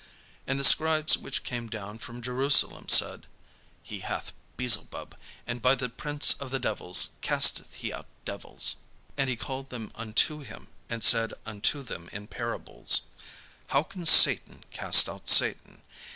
And the scribes which came down from Jerusalem said: "He hath Beelzebub, and by the prince of the devils casteth he out devils." And he called them unto him, and said unto them in parables: "How can Satan cast out Satan?